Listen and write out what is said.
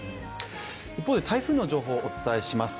一方で台風の情報、お伝えします。